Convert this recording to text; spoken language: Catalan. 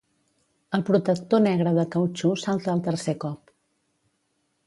El protector negre de cautxú salta al tercer cop.